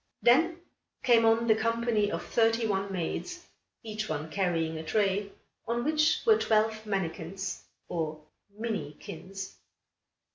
Then came on the company of thirty one maids, each one carrying a tray, on which were twelve mannikins, or minikins.